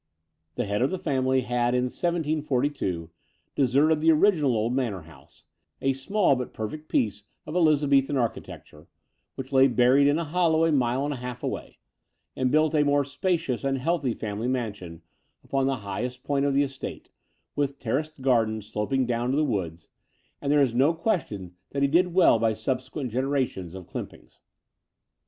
The head of the 44 The Door of the Unreal family had in 1742 deserted the original old manor house, a small but perfect piece of Elizabethan architecture, which lay buried in a hollow a mile and a half away, and built a more spacious and healthy family mansion upon the highest point of the estate, with terraced gardens sloping down to the woods ; and there is no question that he did well by subsequent generations of Clympings.